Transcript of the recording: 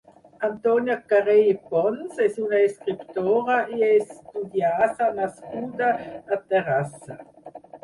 Antònia Carré i Pons és una escriptora i estudiasa nascuda a Terrassa.